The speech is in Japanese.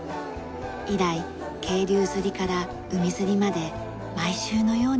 以来渓流釣りから海釣りまで毎週のように出かけます。